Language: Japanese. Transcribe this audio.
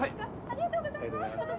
ありがとうございます！